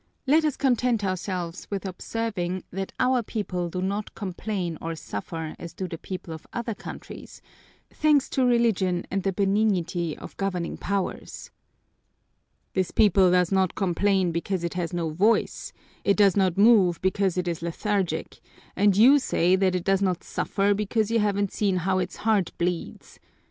Let us content ourselves with observing that our people do not complain or suffer as do the people of other countries, thanks to Religion and the benignity of the governing powers. "This people does not complain because it has no voice, it does not move because it is lethargic, and you say that it does not suffer because you haven't seen how its heart bleeds.